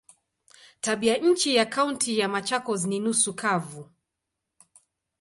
Tabianchi ya Kaunti ya Machakos ni nusu kavu.